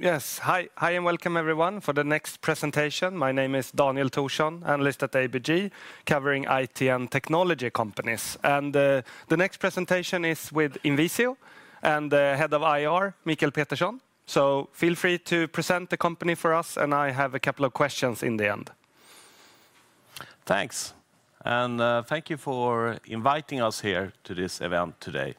Yes, hi and welcome everyone for the next presentation. My name is Daniel Thorsson, analyst at ABG, covering IT and technology companies. And the next presentation is with INVISIO and the head of IR, Michael Peterson. So feel free to present the company for us, and I have a couple of questions in the end. Thanks, and thank you for inviting us here to this event today.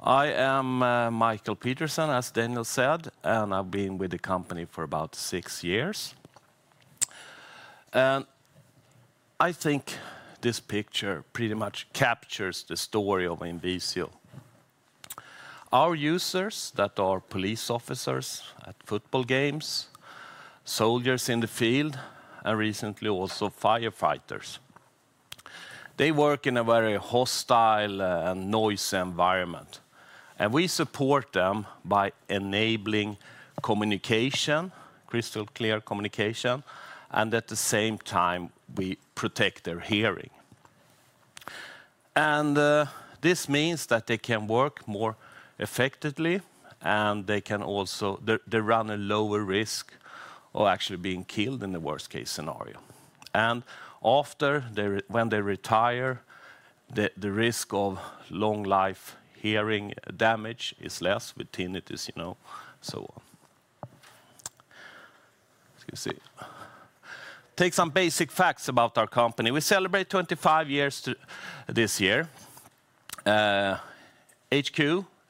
I am Michael Peterson, as Daniel said, and I've been with the company for about six years. And I think this picture pretty much captures the story of INVISIO. Our users, that are police officers at football games, soldiers in the field, and recently also firefighters, they work in a very hostile and noisy environment. And we support them by enabling communication, crystal clear communication, and at the same time, we protect their hearing. And this means that they can work more effectively, and they can also, they run a lower risk of actually being killed in the worst-case scenario. And after, when they retire, the risk of long-life hearing damage is less with tinnitus, you know, so on. Let's see. Take some basic facts about our company. We celebrate 25 years this year. HQ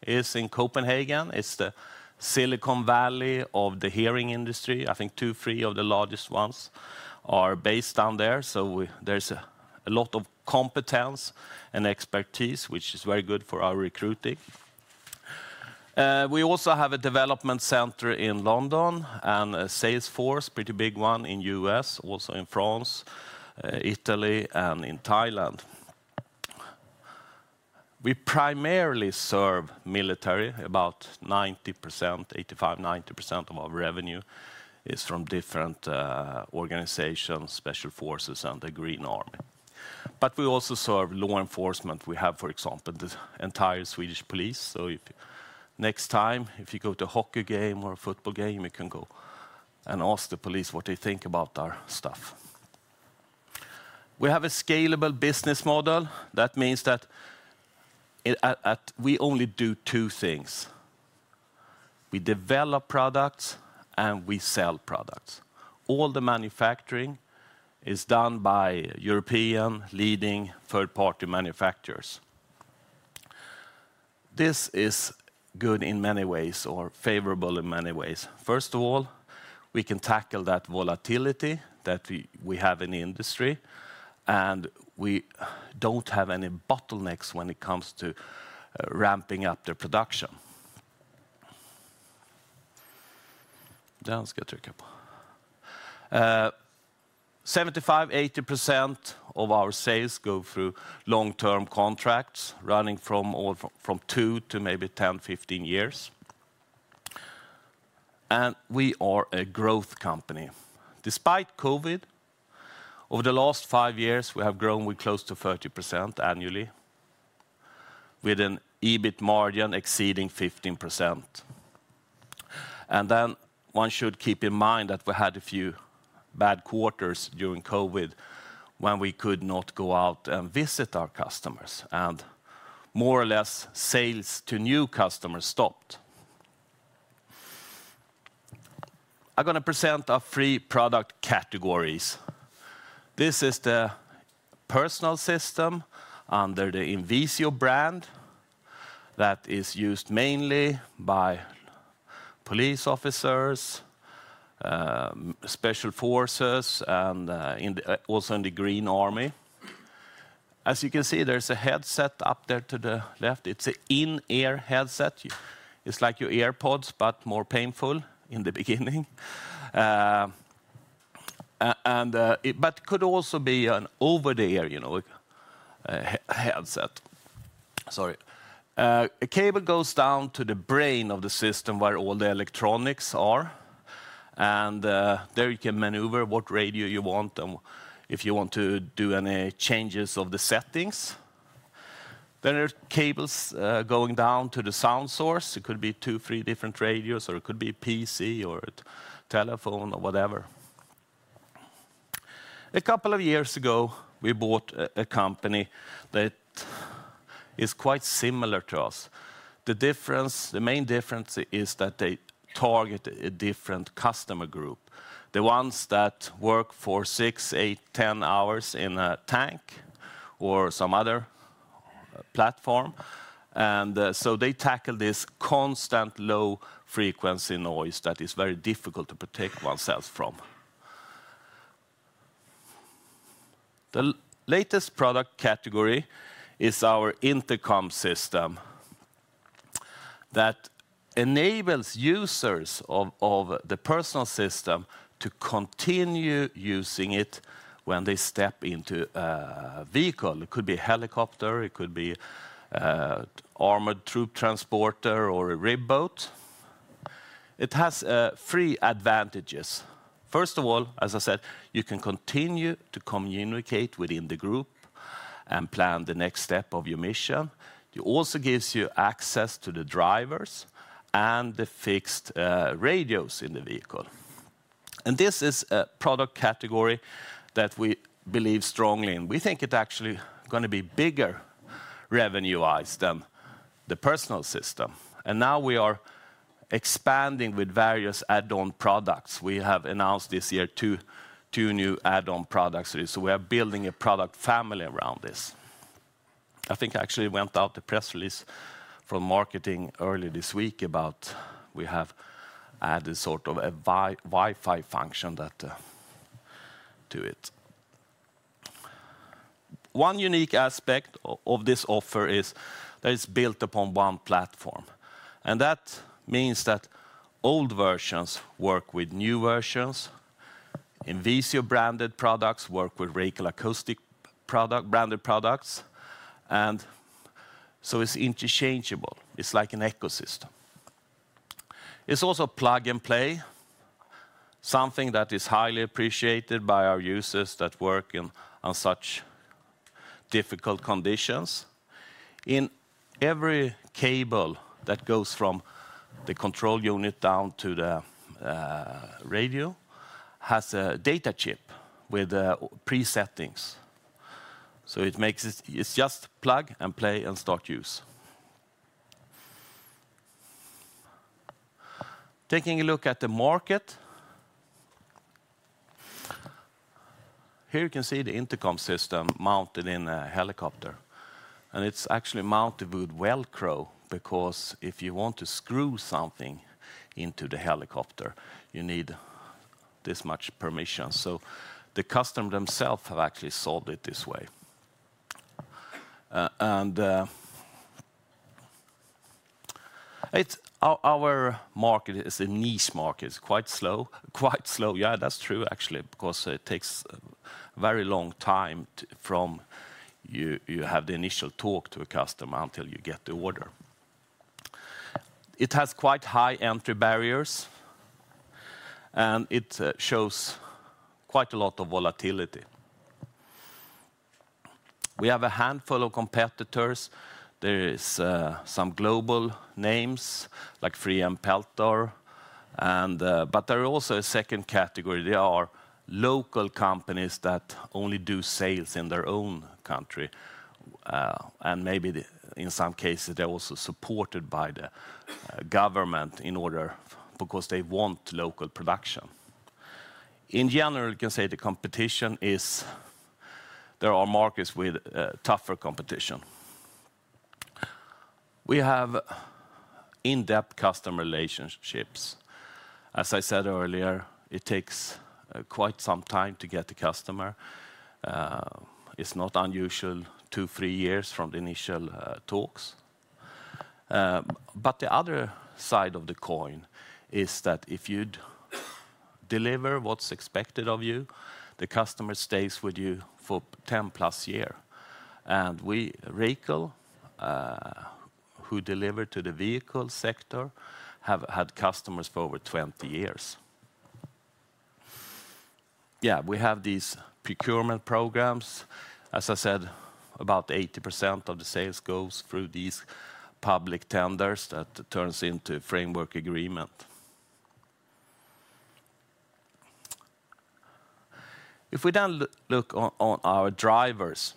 is in Copenhagen. It's the Silicon Valley of the hearing industry. I think two, three of the largest ones are based down there. So there's a lot of competence and expertise, which is very good for our recruiting. We also have a development center in London and a sales force, pretty big one, in the US, also in France, Italy, and in Thailand. We primarily serve military. About 85%-90% of our revenue is from different organizations, special forces, and the Green Army. But we also serve law enforcement. We have, for example, the entire Swedish police. So next time, if you go to a hockey game or a football game, you can go and ask the police what they think about our stuff. We have a scalable business model. That means that we only do two things. We develop products and we sell products. All the manufacturing is done by European leading third-party manufacturers. This is good in many ways or favorable in many ways. First of all, we can tackle that volatility that we have in the industry, and we don't have any bottlenecks when it comes to ramping up the production. Den ska jag trycka på. 75-80% of our sales go through long-term contracts running from two to maybe 10-15 years. We are a growth company. Despite COVID, over the last five years, we have grown close to 30% annually with an EBIT margin exceeding 15%. One should keep in mind that we had a few bad quarters during COVID when we could not go out and visit our customers, and more or less sales to new customers stopped. I'm going to present our three product categories. This is the personal system under the INVISIO brand that is used mainly by police officers, special forces, and also in the Green Army. As you can see, there's a headset up there to the left. It's an in-ear headset. It's like your AirPods, but more painful in the beginning, but it could also be an over-the-ear, you know, headset. Sorry. A cable goes down to the brain of the system where all the electronics are, and there you can maneuver what radio you want and if you want to do any changes of the settings. There are cables going down to the sound source. It could be two, three different radios, or it could be a PC or a telephone or whatever. A couple of years ago, we bought a company that is quite similar to us. The main difference is that they target a different customer group, the ones that work for six, eight, ten hours in a tank or some other platform. And so they tackle this constant low-frequency noise that is very difficult to protect oneself from. The latest product category is our intercom system that enables users of the personal system to continue using it when they step into a vehicle. It could be a helicopter, it could be an armored troop transporter, or a RIB boat. It has three advantages. First of all, as I said, you can continue to communicate within the group and plan the next step of your mission. It also gives you access to the drivers and the fixed radios in the vehicle. And this is a product category that we believe strongly in. We think it's actually going to be bigger revenue-wise than the personal system. Now we are expanding with various add-on products. We have announced this year two new add-on products. We are building a product family around this. I think I actually went out to press release from marketing early this week about we have added sort of a Wi-Fi function to it. One unique aspect of this offer is that it's built upon one platform. That means that old versions work with new versions. INVISIO branded products work with Racal Acoustics branded products. So it's interchangeable. It's like an ecosystem. It's also plug and play, something that is highly appreciated by our users that work in such difficult conditions. In every cable that goes from the control unit down to the radio has a data chip with presettings. So it makes it just plug and play and start use. Taking a look at the market, here you can see the intercom system mounted in a helicopter, and it's actually mounted with Velcro because if you want to screw something into the helicopter, you need this much permission, so the customer themselves have actually solved it this way, and our market is a niche market. It's quite slow. Quite slow, yeah, that's true actually, because it takes a very long time from you have the initial talk to a customer until you get the order. It has quite high entry barriers, and it shows quite a lot of volatility. We have a handful of competitors. There are some global names like 3M Peltor, but there is also a second category. There are local companies that only do sales in their own country, and maybe in some cases, they're also supported by the government in order because they want local production. In general, you can say the competition is there. There are markets with tougher competition. We have in-depth customer relationships. As I said earlier, it takes quite some time to get the customer. It's not unusual, two, three years from the initial talks. But the other side of the coin is that if you deliver what's expected of you, the customer stays with you for 10 plus years. And we, Racal Acoustics, who deliver to the vehicle sector, have had customers for over 20 years. Yeah, we have these procurement programs. As I said, about 80% of the sales goes through these public tenders that turn into framework agreement. If we then look on our drivers,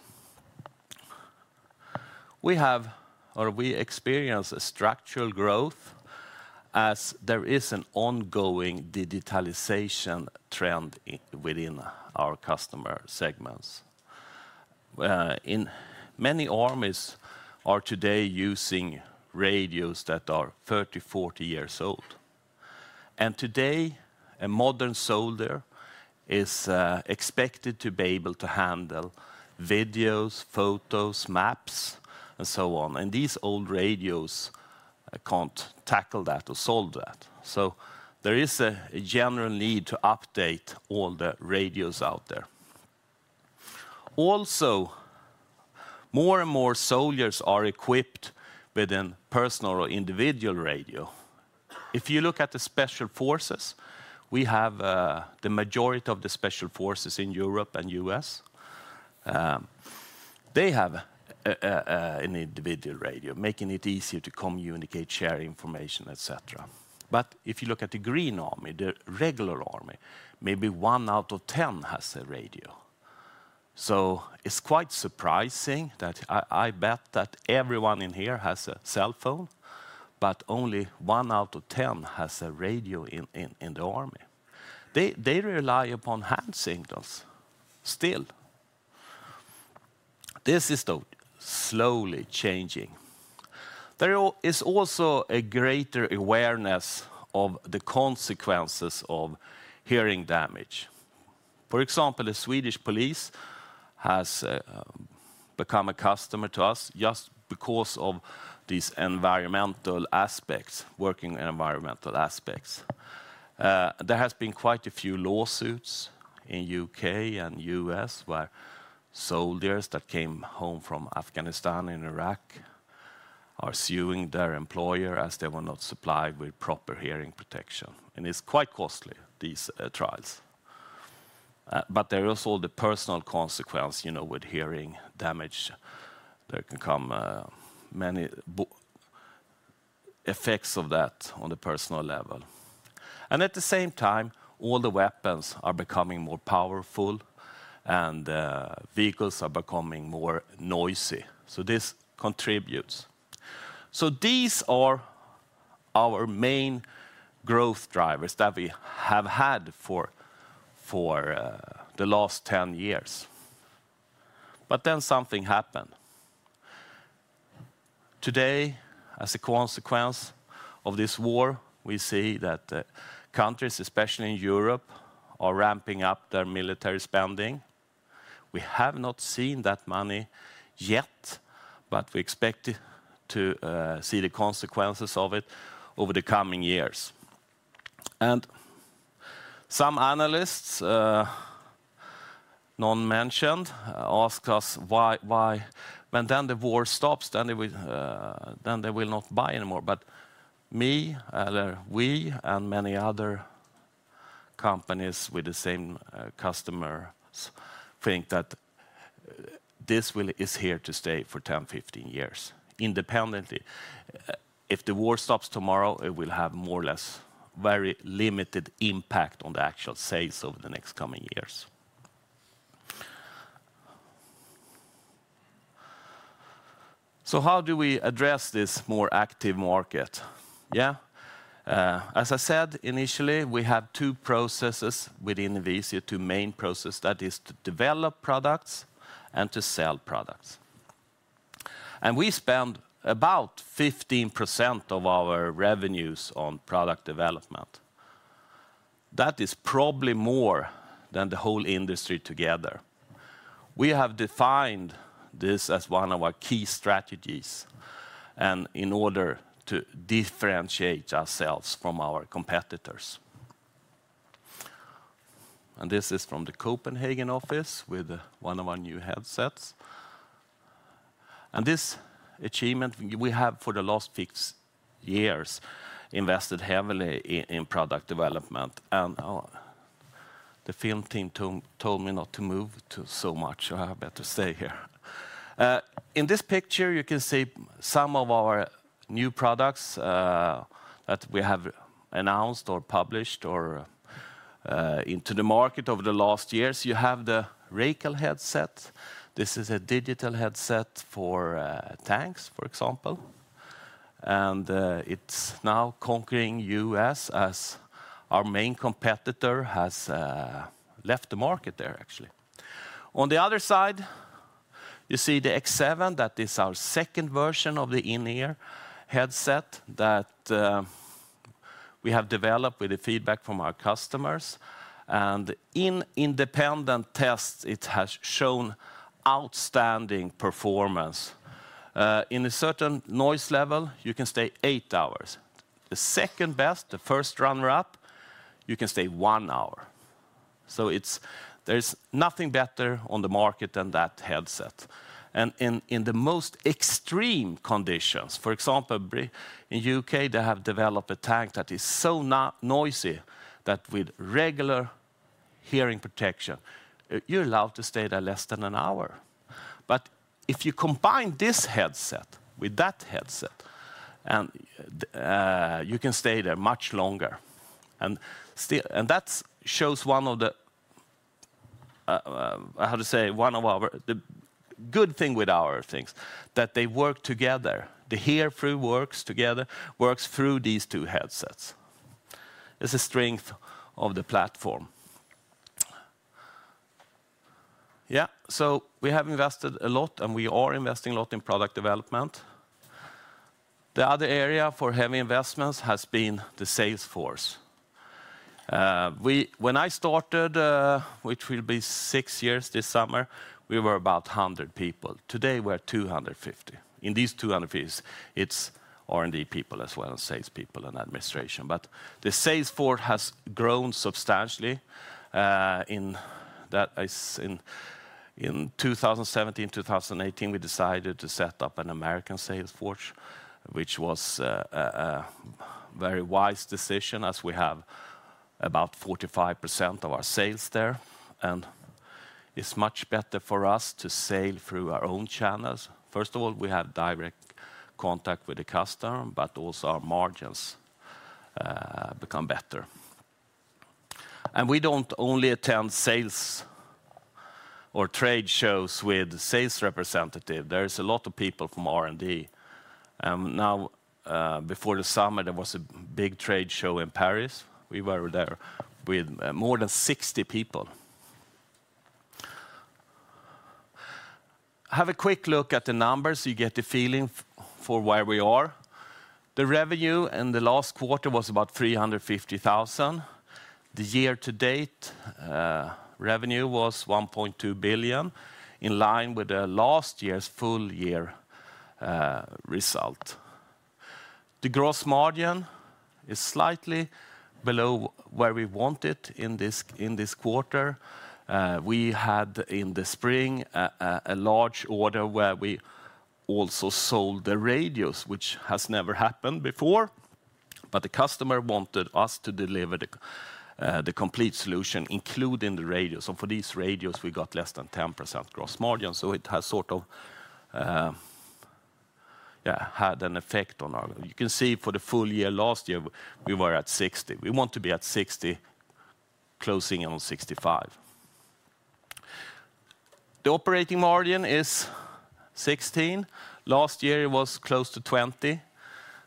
we have or we experience a structural growth as there is an ongoing digitalization trend within our customer segments. Many armies are today using radios that are 30, 40 years old. Today, a modern soldier is expected to be able to handle videos, photos, maps, and so on. These old radios can't tackle that or solve that. There is a general need to update all the radios out there. Also, more and more soldiers are equipped with a personal or individual radio. If you look at the special forces, we have the majority of the special forces in Europe and the U.S., they have an individual radio, making it easier to communicate, share information, etc. If you look at the Green Army, the regular army, maybe one out of 10 has a radio. It's quite surprising that I bet that everyone in here has a cell phone, but only one out of 10 has a radio in the army. They rely upon hand signals still. This is slowly changing. There is also a greater awareness of the consequences of hearing damage. For example, the Swedish police has become a customer to us just because of these environmental aspects, working environmental aspects. There have been quite a few lawsuits in the U.K. and the U.S. where soldiers that came home from Afghanistan and Iraq are suing their employer as they were not supplied with proper hearing protection, and it's quite costly, these trials, but there is also the personal consequence, you know, with hearing damage. There can come many effects of that on the personal level, and at the same time, all the weapons are becoming more powerful, and vehicles are becoming more noisy, so this contributes, so these are our main growth drivers that we have had for the last 10 years, but then something happened. Today, as a consequence of this war, we see that countries, especially in Europe, are ramping up their military spending. We have not seen that money yet, but we expect to see the consequences of it over the coming years. Some analysts, unnamed, ask us why, when the war stops, they will not buy anymore. But we and many other companies with the same customers think that this really is here to stay for 10, 15 years, independently. If the war stops tomorrow, it will have more or less very limited impact on the actual sales over the next coming years. How do we address this more active market? Yeah. As I said initially, we have two processes within INVISIO, two main processes. That is to develop products and to sell products. We spend about 15% of our revenues on product development. That is probably more than the whole industry together. We have defined this as one of our key strategies in order to differentiate ourselves from our competitors. This is from the Copenhagen office with one of our new headsets. This achievement, we have for the last six years invested heavily in product development. The film team told me not to move so much, so I'd better stay here. In this picture, you can see some of our new products that we have announced or published or into the market over the last years. You have the Racal headset. This is a digital headset for tanks, for example. It's now conquering the U.S. as our main competitor has left the market there, actually. On the other side, you see the X7. That is our second version of the in-ear headset that we have developed with the feedback from our customers. And in independent tests, it has shown outstanding performance. In a certain noise level, you can stay eight hours. The second best, the first runner-up, you can stay one hour. So there is nothing better on the market than that headset. And in the most extreme conditions, for example, in the U.K., they have developed a tank that is so noisy that with regular hearing protection, you're allowed to stay there less than an hour. But if you combine this headset with that headset, you can stay there much longer. And that shows one of the, how to say, one of our good things with our things, that they work together. The hear-through works together, works through these two headsets. It's a strength of the platform. Yeah, so we have invested a lot, and we are investing a lot in product development. The other area for heavy investments has been the sales force. When I started, which will be six years this summer, we were about 100 people. Today, we're 250. In these 250, it's R&D people as well as sales people and administration. But the sales force has grown substantially. In 2017, 2018, we decided to set up an American sales force, which was a very wise decision as we have about 45% of our sales there. And it's much better for us to sell through our own channels. First of all, we have direct contact with the customer, but also our margins become better. And we don't only attend sales or trade shows with sales representatives. There are a lot of people from R&D. And now, before the summer, there was a big trade show in Paris. We were there with more than 60 people. Have a quick look at the numbers so you get the feeling for where we are. The revenue in the last quarter was about 350,000. The year-to-date revenue was 1.2 billion, in line with last year's full-year result. The gross margin is slightly below where we wanted in this quarter. We had in the spring a large order where we also sold the radios, which has never happened before. But the customer wanted us to deliver the complete solution, including the radios. And for these radios, we got less than 10% gross margin. So it has sort of had an effect on our.... You can see for the full year last year, we were at 60%. We want to be at 60%, closing in on 65%. The operating margin is 16%. Last year, it was close to 20%.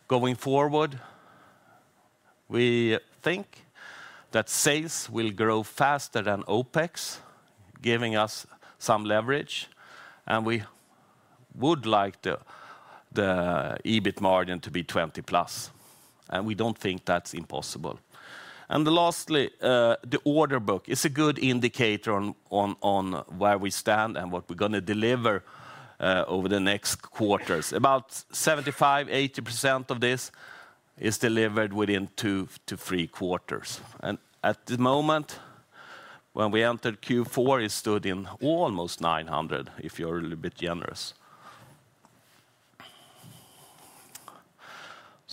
Going forward, we think that sales will grow faster than OPEX, giving us some leverage. And we would like the EBIT margin to be 20% plus. And we don't think that's impossible. And lastly, the order book is a good indicator on where we stand and what we're going to deliver over the next quarters. About 75%-80% of this is delivered within two to three quarters. And at the moment, when we entered Q4, it stood in almost 900, if you're a little bit generous.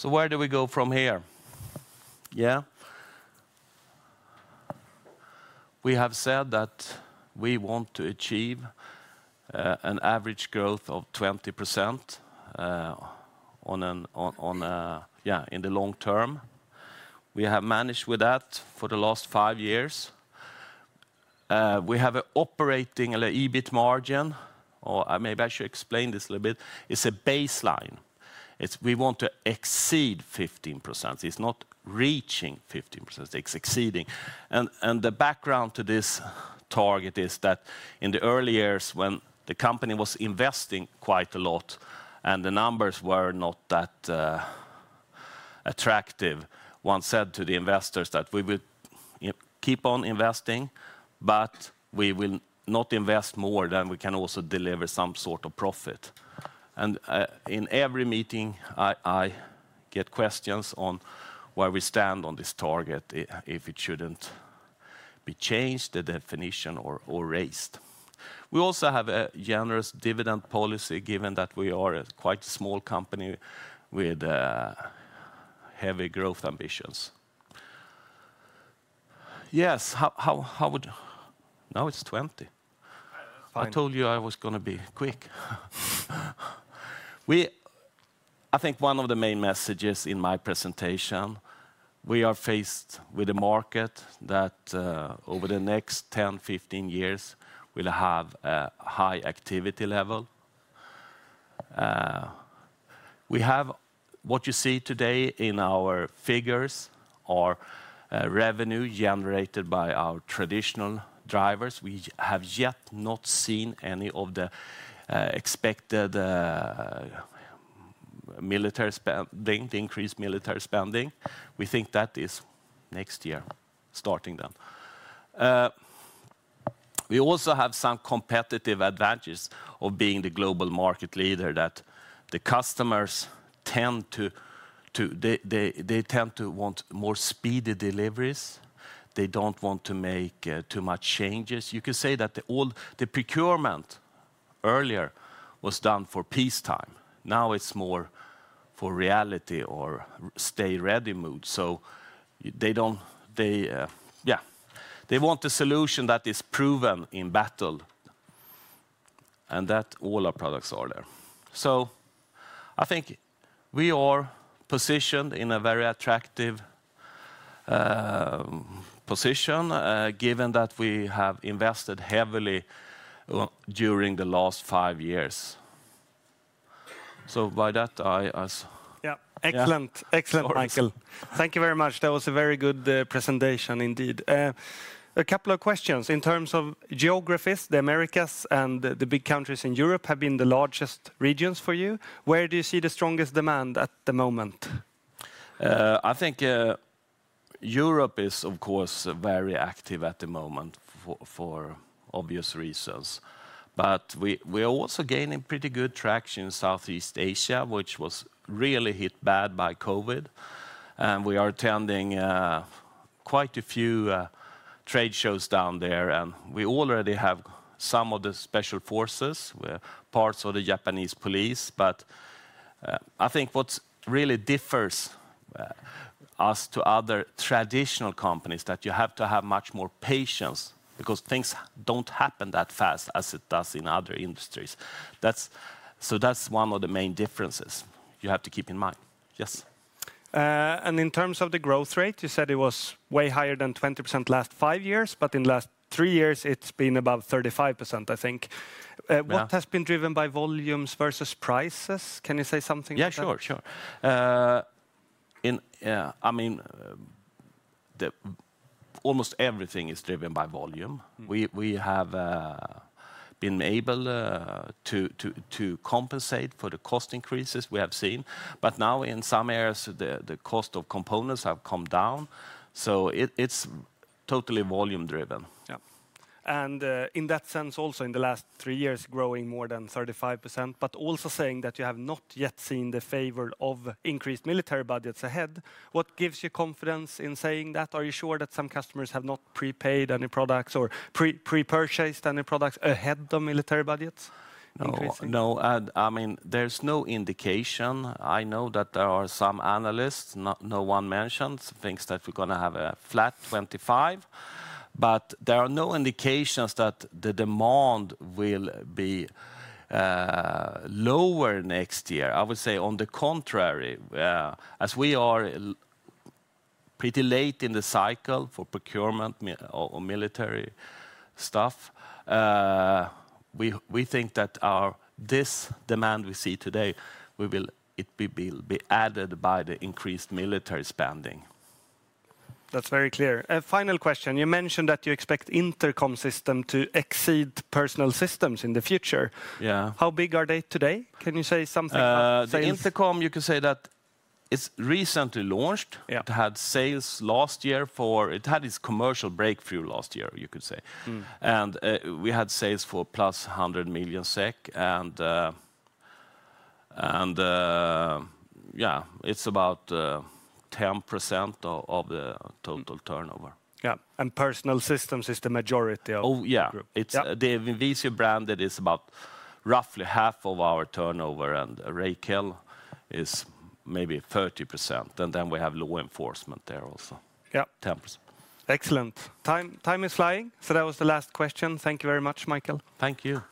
So where do we go from here? Yeah. We have said that we want to achieve an average growth of 20% on a, yeah, in the long term. We have managed with that for the last five years. We have an operating EBIT margin, or maybe I should explain this a little bit. It's a baseline. We want to exceed 15%. It's not reaching 15%. It's exceeding. And the background to this target is that in the early years, when the company was investing quite a lot and the numbers were not that attractive, one said to the investors that we would keep on investing, but we will not invest more than we can also deliver some sort of profit. And in every meeting, I get questions on where we stand on this target, if it shouldn't be changed, the definition or raised. We also have a generous dividend policy, given that we are quite a small company with heavy growth ambitions. Yes, how would... Now it's 20%. I told you I was going to be quick. I think one of the main messages in my presentation is, we are faced with a market that over the next 10-15 years, we'll have a high activity level. What you see today in our figures are revenue generated by our traditional drivers. We have yet not seen any of the expected military spending, the increased military spending. We think that is next year, starting then. We also have some competitive advantages of being the global market leader that the customers tend to... They tend to want more speedy deliveries. They don't want to make too much changes. You can say that the procurement earlier was done for peacetime. Now it's more for reality or stay ready mode. So they don't... Yeah. They want a solution that is proven in battle. And that all our products are there. So I think we are positioned in a very attractive position, given that we have invested heavily during the last five years. So by that, I... Yeah. Excellent, excellent, Michael. Thank you very much. That was a very good presentation, indeed. A couple of questions. In terms of geographies, the Americas and the big countries in Europe have been the largest regions for you. Where do you see the strongest demand at the moment? I think Europe is, of course, very active at the moment for obvious reasons. But we are also gaining pretty good traction in Southeast Asia, which was really hit bad by COVID. And we are attending quite a few trade shows down there. And we already have some of the special forces, parts of the Japanese police. But I think what really differs us to other traditional companies is that you have to have much more patience because things don't happen that fast as it does in other industries. So that's one of the main differences you have to keep in mind. Yes. And in terms of the growth rate, you said it was way higher than 20% last five years, but in the last three years, it's been about 35%, I think. What has been driven by volumes versus prices? Can you say something about that? Yeah, sure, sure. I mean, almost everything is driven by volume. We have been able to compensate for the cost increases we have seen. But now in some areas, the cost of components have come down. So it's totally volume-driven. Yeah. In that sense, also in the last three years, growing more than 35%, but also saying that you have not yet seen the favor of increased military budgets ahead. What gives you confidence in saying that? Are you sure that some customers have not prepaid any products or pre-purchased any products ahead of military budgets? No, I mean, there's no indication. I know that there are some analysts, no one mentions, thinks that we're going to have a flat 25%. But there are no indications that the demand will be lower next year. I would say, on the contrary, as we are pretty late in the cycle for procurement or military stuff, we think that this demand we see today, it will be added by the increased military spending. That's very clear. Final question. You mentioned that you expect intercom system to exceed personal systems in the future. How big are they today? Can you say something about sales? Intercom, you can say that It's recently launched. It had sales last year for... It had its commercial breakthrough last year, you could say. And we had sales for plus 100 million SEK. And yeah, it's about 10% of the total turnover. Yeah. And personal systems is the majority of the group. Oh, yeah. The INVISIO branded is about roughly half of our turnover. And Racal is maybe 30%. And then we have law enforcement there also. Yeah. 10%. Excellent. Time is flying. So that was the last question. Thank you very much, Michael. Thank you.